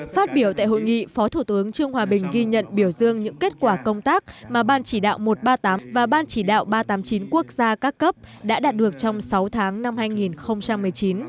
phát biểu tại hội nghị phó thủ tướng trương hòa bình ghi nhận biểu dương những kết quả công tác mà ban chỉ đạo một trăm ba mươi tám và ban chỉ đạo ba trăm tám mươi chín quốc gia các cấp đã đạt được trong sáu tháng năm hai nghìn một mươi chín